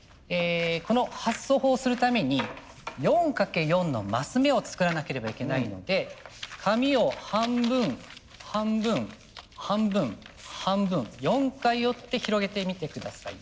この発想法をするために４掛け４のマス目を作らなければいけないので紙を半分半分半分半分４回折って広げてみて下さい。